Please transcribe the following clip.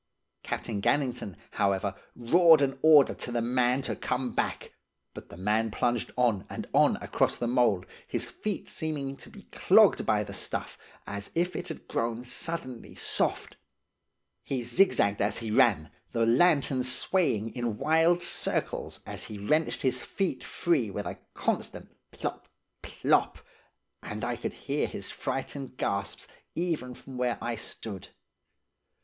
Captain Gannington, however, roared an order to the man to come back, but the man plunged on and on across the mould, his feet seeming to be clogged by the stuff, as if it had grown suddenly soft. He zigzagged as he ran, the lantern swaying, in wild circles as he wrenched his feet free with a constant plop, plop; and I could hear his frightened gasps even from where I stood.